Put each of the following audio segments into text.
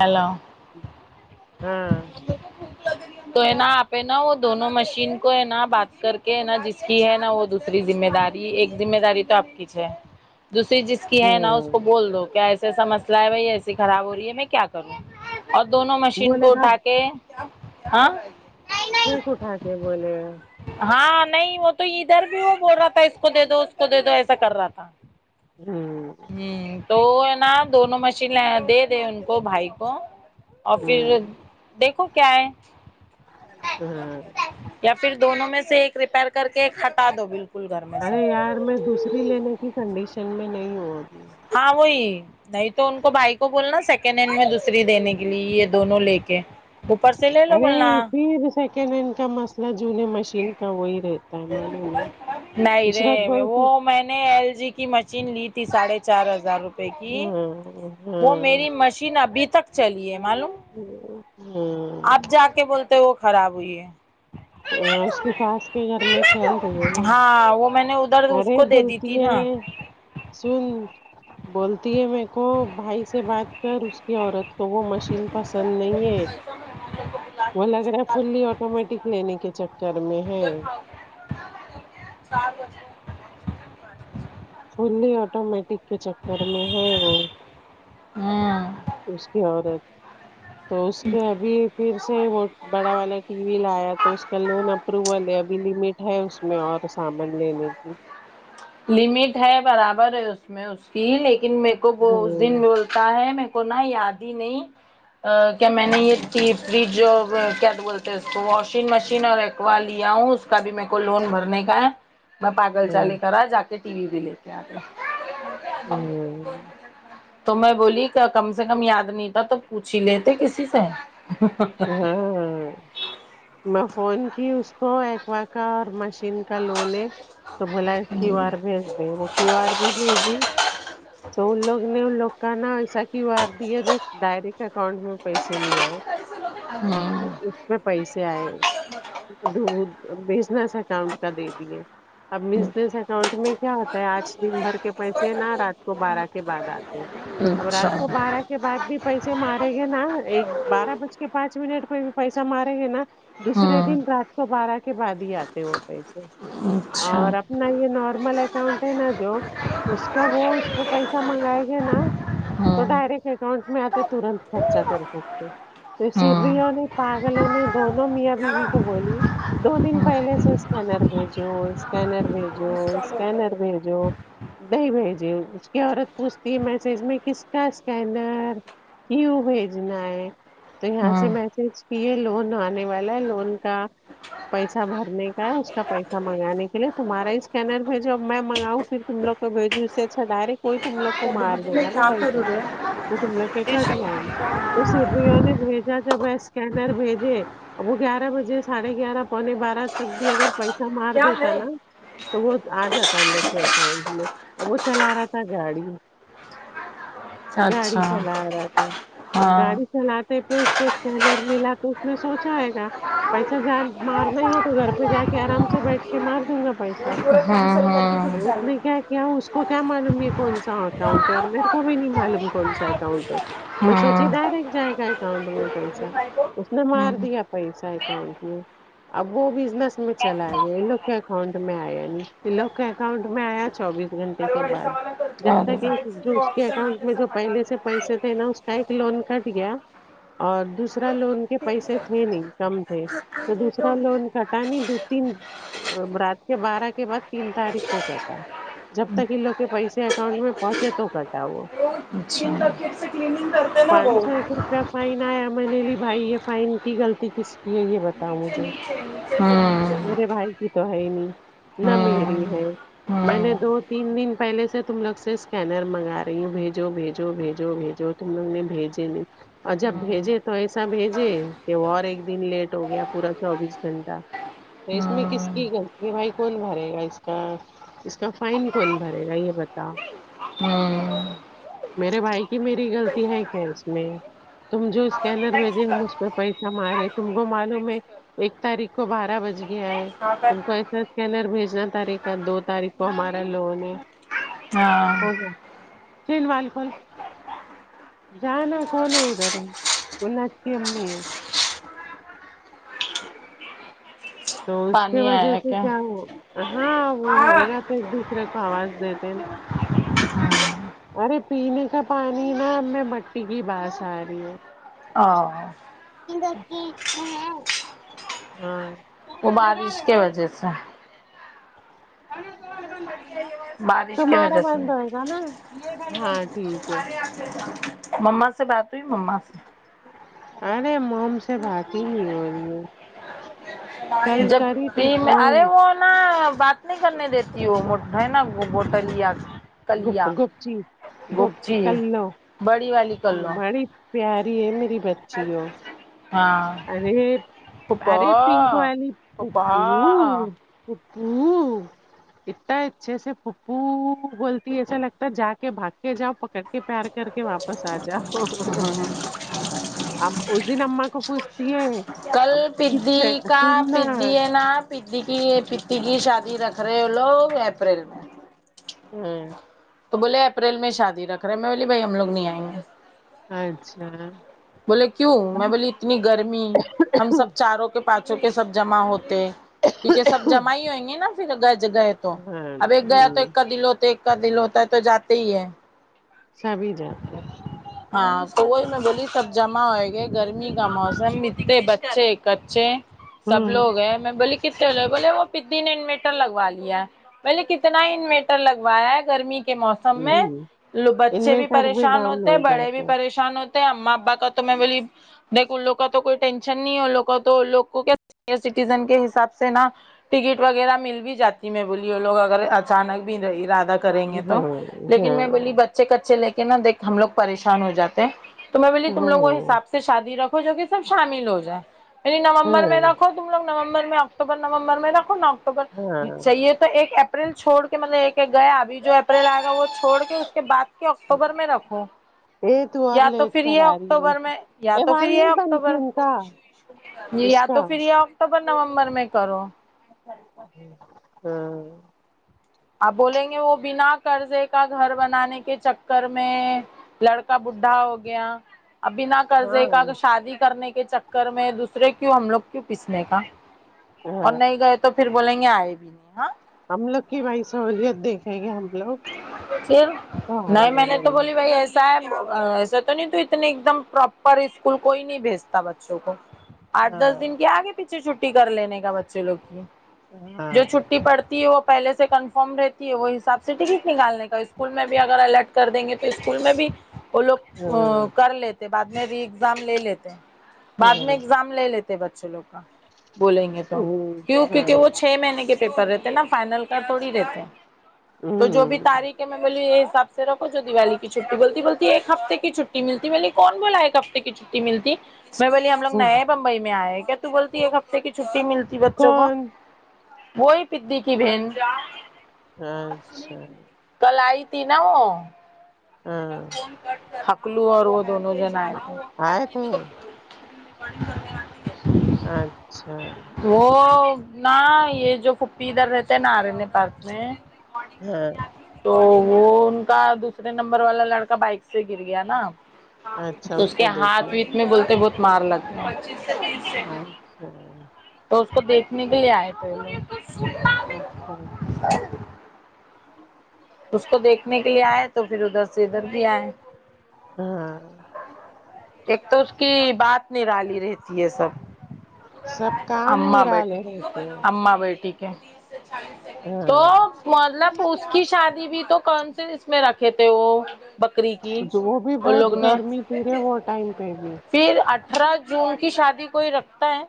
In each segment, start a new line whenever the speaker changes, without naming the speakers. hello
ہاں
ج تو ہے نا آپ ہے نا وہ دونوں مشین کو ہے نا بات کر کے نا جس کی ہے نا وہ دوسری ذمہ داری ایک ذمہ داری تو آپ کیچ ہے دوسری جس کی ہے نا اس
ہاں
کو بول دو کیا ایسے ایسا مسئلہ ہے بھائی ایسی خراب ہو رہی ہے میں کیا کروں اور دونوں مشین
بولے
کو
گا
اٹھا ہاں
پ کھا کہ بولے
ہاں نہیں وہ تو ادھر بھی وہ بول رہا تھا اس کو دے دو اس کو دے دو ایسا کر رہا تھا
ہوں
ہ تو ہے نا دونوں مشین دے دے ان کو بھائی کو اور
ہوں
پھر دیکھو کیا ہے
ہاں
یا پھر دونوں میں سے ایک ریپیئر کر کے ایک ہٹا دو بالکل گھر میں سے
ارے یار میں دوسری لینے کی کنڈیشن میں نہیں ہتی
ہاں وہی نہیں تو ان کو بھائی کو بولنا سیکنڈ ہینڈ میں دوسری دینے کے لیے یہ دونوں لے کے اوپر سے لے لو بولنا
ارے پھر سیکنڈ ہینڈ کا مسئلہ جونے مشین کا وہی رہے
نہیں رے وہ
بولتی
میں نے ایل جی کی مچ چین لی تھی ساڑھے چار ہزار روپئے کی
ہاں
وہ
ہاں
میری مشین ابھی تک چلی ہے معلوم
ہوں
آپ جا کے بولتے وہ خراب ہوئی ہے
اس کی ساس کے گھر میں چل رہی ہے نا
ہاں وہ میں نے ادھر اس
ارے
کو دے دی تھی
بولتی ہے
نا
سن بولتی ہے میر کو بھائی سے بات س اس کی عورت تو وہ مشین پسند نہیں ہے وہ لگ رہا ہے فلی آٹومیٹک لینے کے چککر میں ہے
سات بچے
فلی آٹومیٹک کے چکر میں ہے وہ
ہوں
اس کی عورت
ج
تو اس کے ابھی پھر سے وہ بڑا والا ٹی وی لایا تو اس کا لون اپروول ہے ابھی لمٹ ہے اس میں اور سامان لینے کی
لمٹ ہے برابر ہے اس میں اس کی لیکن میرے کو وہ اس
ہوں
دن تا ہے میر کو نا یاد ہی نہیں کیا میں نے یہ ت فریج اور کیا تو بولتے ہیں اس کو واشنگ مشین اور ایک پکوا لیا ہوں اس کا بھی م کو لون بھرنے کا ہے میں پاگل چال
ہاں
لے کرا جا کے ٹی وی بھی لے کے آ کے
ہوں
تو میں بولی کم سے کم یاد نہیں تھا تو پوچ ہی لیتے کسی سے
ہاں میں فون کی اس کو ایککوا کا اور مشین لو نے تو بھلا اس کیو
ہوں
آر بھیج دے وہ کی آر بھی بھیجی تو ان لوگ نے ان لوگ کا نا ایسا کیوار دیا جو ڈائریکٹ اکاؤنٹ میں پیسے نہیں آئے
ہوں
اس پہ پیسے آئے د بیجناس اکاؤنٹ کا دے دیے اب مزنس اکاؤنٹ میں کیا ہوتا ہے آج دن بھر کے پیسے ہیں نہ رات کو بارہ کے بعد آتے اب
اچھا
رات کو بارہ کے بعد بھی پیسے ماریں گے نا ایک بارہ بج کے پانچ منٹ پہ بھی پیسہ ماریں گے نا دوسرے
ہوں
دن رات کو بارہ کے بعد ہی آتے وہ پیسے
اچھا
اور نہ یہ نارمل اکاؤنٹ ہے نا جو اس کا وہ اس پہ پیسہ منگائے گے نا تو
ہوں
ڈائریکٹ اکاؤنٹ میں آتے ترنت خرچا کر سکتے تو
ہوں ہوں
سرریھیوں نے پاگلوں نے دونوں میاں بیوی کو بولی دو دن پہلے سے اسکینر بھیجو اسکینر بھیجو اسکینر بھیجو نہیں بھائی جی اس کی عورت پوچھتی ہے میسج میں کس کا اسکینر ہی بھیجن ہے تو یہاں سے
ہوں
میسج کی ہے لون آنے والا ہے لون کا پیسہ بھرنے کا ہے اس کا پیسہ منگانے کے لیے تمہارا ہی اسکینر بھیجو اب میں منگاؤں پھر تموگ کو بھیجو اس اچھا ڈائریکٹ کوئی تم لو کو
ابو
مار
دیدی میں
گا نا
کیا کروں
پیسا
رے
تو تم لگ کے کٹ جائے گا تو سرریوں نے بھیجا جب ہے اسکینر بھیجے وہ گیارہ بجے ساڑھے گیارہ پونے بارہ تک بھی اگر پیسہ مار د ت نا تو وہ آ جاتا ان لوگ کےتا میں اب وہ چلا رہا تھا گاڑی
ج
گاڑی چلا رہا تھا اب
ہاں
گاڑی چل پہ اس کو اسکینر ملا تو اس نے سوچاائے گا پیسہ ج مارنا ہی ہے تو گھر پہ جا کے آرام سے بیٹھ کے مار دوں گا پیسہ
ہاں
اب
ہاں
اس نے کیا کیا اس کو کیا معلوم یہ کون سا اکاؤنٹ ہے اور میرے کو بھی نہیں معلوم کون سا اکاؤنٹ ہے میں سوچی
ہاں
ڈائریکٹ جائے گا اکاؤنٹ میں پیسہ اس نے مار
ہوں
دیا پیسہ اکاؤنٹ میں اب وہ بزنس میں چلا گیا ان لوگ کے اکاؤنٹ میں آیا ن لوگ کے اکاؤنٹ میں آیا چوبیس گھنٹے کے بعد جب
ہیں کہ
تک جو اس کے اکاؤنٹ میں جو پہلے سے پیسے تھے نا اس کا ایک لون کٹ گیا اور دوسرا لون کے پیسے تھے نہیں کم تھے تو دوسرا لون کٹاانی دو تین رات کے بارہ کے بعد تین تاریخ کو کٹا جب تک ان لوگ کے پیسے اکاؤنٹ میں پہنچے تو کٹا وہ
[unintelligible]
پانچ سا ایک روپ کیا فائن آیا میں نے لی بھائی یہ فائن کیغطی کس کی ہے یہ بتاؤ مجھے
ہوں
میرے بھائی کی تو ہے ہی نہیں نہ میری ہے میں نے دو تین دن پہلے سے تم لوگ سے اسکینر منگا رہی ہوں بھیجو بھیجو بھیجو بھیجو ت لوگ نے بھیجے دی اور جب بھیجے تو ایسا بھیجے کہ اور ایک دن لیٹ ہو گیا پورا چوبیس گھنٹہ تو اس میں کس کی غلطی ہے بھائی کون گھرے گا اس کا اس کا فائن کون بھرے گا یہ بتا
ہوں
میرے بھائی کی میری غلطی ہے کیا اس میں تم جو اسکینر بھیجے ہم اس پہ پیسہ مارے تم کو معلوم ہے ایک تاریخ کو بارہ بج گیا ہے تم کو ایسا اسکنر بھیجنا تھارقا دو تاریخ کو ہمارے لوگوں نے ہوگا چین والال کون جانا کون ادر [unintelligible] وہچ کی امی ہے تو اس کے
پانی
وجہ
آیا
سے کیا ہو ہاں وہ ہوئے گا ایک دوسرے کو آواز دیتے نا ارے پینے کا پانی نا ہم میں مٹی کی بس آ رہی ہے [unintelligible]
آ [unintelligible]
ہاں [unintelligible]
وہ بارش کے وجہ سے بارش کی
تمہارا
وجہ سے
بند ہوئے گا نا ہاں [unintelligible]
مما سے بات ہوئی مما سے [unintelligible]
ارے موم سے بھاات نہیں ہو رہی ہے کل
جب
کری
بھی
تھی
میں آرے
فون
وہ [unintelligible] ن بات نہیں کرنے دیتی ہو ہے نا بوٹلیا [unintelligible]
گ گپچی گوبچی
گپچی
کلل
بڑی والی
م
کر لو
[unintelligible] پیاری ہے میری بچی ہو
ہاں
[unintelligible] ارے
پھپھو
ارے پنک والی پپو [unintelligible]
پھپھا
پھپو ات اچھے سے پھپو بول ایسا لگتا جا کے بھاگ کے جاؤ پکڑ کے پیار کر کے واپس آ جاؤ [unintelligible] اس دن اما کو پوھتے [unintelligible]
کل پدی کا
سننا
پدی ہے نا [unintelligible] پتی کی پتی کی شادی رکھ رہے لوگ اپریل میں [unintelligible]
ہوں [unintelligible]
تو بولے اپریل میں شادی رکھ رہے ہے میں بولی بھائی ہم لوگ نہیں آئیں گے
اچھا [unintelligible]
بولے کیوں میں
ہاں
بولی اتنی گرمی ہم سب چاروں [unintelligible] پانچھوں کے سب جمع ہوتے کیونکہ سب جمع ہی ہوئیں گے نا پھر گج گ تو اب ایک گیا تو
ہوں
ایک کا دل ہوتا ایک کا دل ہوتا ہے تو جاتے ہی ہے
سبھی جاتات ہیں
ہاں تو وہی میں بولی سب جمع ہوئے گئے گرمی کا موسم متے بچے کچے سب
ہوں
لوگ ہیں میں بولی کتنے ل بولے وہ پدی نے انویٹر لگوا لیا پہلے کتنا انویٹر لگوایا ہے گرمی کے موسم میں
ہوں
لب [unintelligible] بچے بھی
انویٹر
پریشان
ڈاؤن
ہوتے
ہو
ہیں بڑے بھی
جاتا
پریشان ہوتے اماں ابا کا تو میں بولی دیک ان لوگ کا تو کوئی ٹینشن نہیں ہے ان لووں کا تو لوگ کو کیا سینئر سٹیزن کے حساب سے نا ٹکٹ وغیرہ مل بھی جاتی میں بولی لوگ اگر اچانک بھی نہیں رادہ کریں گے
ہے
تو
ہاں
لیکن میں بولی بچ اچھے کچے لے کے نا دیکھ ہم لوگ پریشان ہو جاتے ہیں تو میں بولی
ہاں
تم لوگ وہ
ہاں
حساب سے شادی رکھ جو کہ سب شامل ہو جائے یعنی نومبر میں
ہاں
رکھو تم لوگ نومبر میں اکتوبر نومبر میں رکھو نا اکٹوبر ج
ہاں
چاہیے تو تو ایک اپریل چھوڑ کے مطلب ایک ایک گیا ابھی جو اپریل آ گا وہ چھوڑ کے اس کے بعد کہ اکتوبر میں رکھوں
یہ اور
یا تو
لیٹ
پھر
کر
یہ
آ رہی ہے
اکتوبر میں یا تو پھر
بال
یہ
نہیں بنتی
اکتوبر
ان کا
[unintelligible] جی
اس
یا
کا
تو پھر آ تو پر نومبر میں کرو
ہوں [unintelligible]
آپ بولیں گے وہ بنا قرضے کا گھر بنانے کے چکر میں لڑکا بڈھا ہو گیا ابھی نہ قرضے
ہاں
کا کہ شادی کرنے کے چکر میں دوسرے کیوں ہم لوگ کیوں پیسنے کا اور
ہاں
نہیں گئے تو پھر بولیں گے آئے بھی نہیں ہاں
ہمملک وائی سہولیا دے ج گ ہے ہم لوگ
پھر
تو آئے
نہیں
گے
میں نے تو
بولے
بولی بھائی ایسے ساب ایسا تو نہیں تو اتنے ایک دم پراپر اسکول کوئی نہیں بھیجتا بچوں کو آٹھ دس
ہاں
دن کے آگے پیچھے چھٹی کر لینے کا بچے لوگ کی جو
کون
چھٹی پڑتی ہے وہ پہلے سے کنفرم رہتی ہے وہ حساب سے سٹی کٹ نکالنے کا اسکول میں بھی اگر الرٹ کر دیں گے تو اسکول میں بھی وہ لوگ ا کر لیتے بعد میں ری ایگزام لے لیتے بعد میں ایگزام لے لیتے بچے لوگ کا بولیں گے تو کیوں کیکہ وہ چھ مہینے کے پیپر رہتے ہیں نا فائنل کر تھوڑی رہتے ہیں تو جو بھی تاریخ ہے میں بوللیوں یہ حساب سے رکھو جو دیوالی کی چھٹی بولتی بولتی ہے ایک ہفتے کی چھٹی ملتی میلی کون بولا ہے ہفتے کی جو ملتی میں بولی ہم لگ نئے بمبئی میں آئے کیا تو بولتی ایک ہفتے کی چھٹی ملتی بچوں کو وہی پدی کی بہن
اچھا
کل آئی تھی نا وہ
ہاں
حکلو اور وہ دونوں جن آئے تھے
آئے تھے
آڈن کرنے آتی ہے
اچھا
وہ نہ یہ جو کھپی ادھر رہتے نارےنے
ہاں
تو وہ ان کا دوسرے نمبر والا لڑکا بائک سے گر گیا نا
اچھا
تو اس کے
کو
ہاتھ ویت
دیکھنا
میں بولتے بولتے مار ل تھا
اچھا
تو اس کو دیکھنے کے لیے آئے تھے
اچھا اچھا
اس کو دیکھنے کے لیے آئے تو پھر ادھر سے ادھر بھی آئے
ہوں
ایک تو اس کی بات نہیں رالی رہتی ہے سب
سب کام
امم بیٹی
نرالے رہتے ہیں
امما بیٹی تو
ہاں
مطلب اس کی شادی بھی تو کون س اس میں رکھے تھے وہ بکری کی
جو بھی
ان
بہت
لوگ نے
گرمی ت رہے وہ ٹائم پہ بھی
پھر اٹھارہ جون کی شادی کوئی رکھتا ہے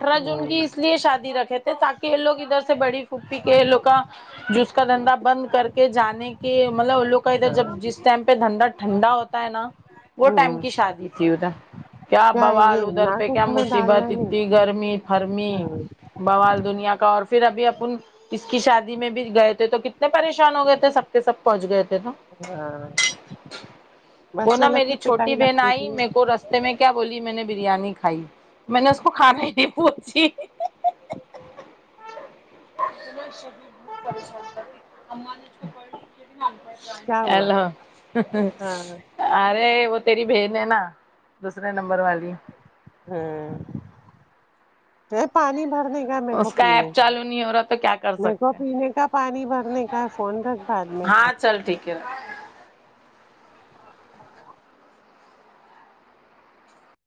اٹھارہ جون
ہوں
کی اس لیے شادی رکھے تھے تاکہ یہ لوگ ادھر سے بڑی پھوپھی کے لو کا جو اس کا دھندا بند کر کے جانے کے مطلب وہ لوگ کا ادھر جب
ہاں
جس ٹائم پہ دھندا ٹھنڈا ہوتا نا وہ ٹائم
ہوں
کی شادی تھی ادھر کیا بوال
یہ
ادھر پہ
ناک
کیا
اک میں
مجھ صیبت
ڈالنا
اتنی
نہیں
گرمی فرمی
ہوں
بوال دنیا کا اور پھر ابھی اپن اس کی شادی میں بھی گئے تھے تو کتنے پریشان ہو گئے تھے سب کے سب پہنچ گئے تھے تو
ہاں
وہ نا
بچے لوگ
میری
کی
چھوٹی
پٹائی
بہن
لگتی
آئی
تھی
میر کو ر رستے میں کیا بولی میں نے بریانی کھائی میں نے اس کو کھانا ہی نہیں پوچھی اتنا شب بھی بہت پریشان تھا ت اا نے جو پڑھ لی
کیا ہوا
ہیلو
ہاں
ارے وہ تیری بہن ہے نا دوسرے نمبر والی
ہاں یہ پانی بھر نہیں م کو
اس
پینے
ایپ
کا
چالو نہیں ہو رہا تو کیا کر
م کو
سکتے ہیں
پینے کا پانی بھرنے کا فون تک بعد میں کر
کیا